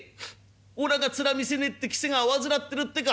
おらが面見せねえって喜瀬川患ってるってか？